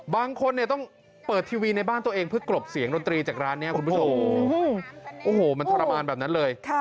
บางคนเนี่ยต้องเปิดทีวีในบ้านตัวเองเพื่อกรบเสียงดนตรีจากร้านนี้คุณผู้ชมโอ้โหมันทรมานแบบนั้นเลย